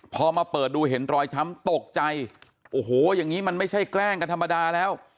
พอมาเปิดดูเห็นรอยช้ำตกใจโอ้โหอย่างนี้มันไม่ใช่แกล้งกันธรรมดาแล้ว